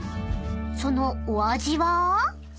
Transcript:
［そのお味は？］